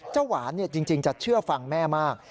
หวานจริงจะเชื่อฟังแม่มาก